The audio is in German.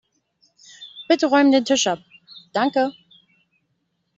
Bitte räume den Tisch ab, danke.